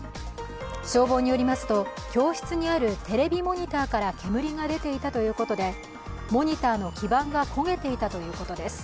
消防によりますと、教室にあるテレビモニターから煙が出ていたということでモニターの基盤が焦げていたということです。